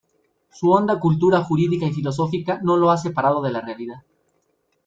Su honda cultura jurídica y filosófica no lo ha separado de la realidad.